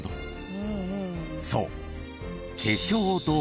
［そう］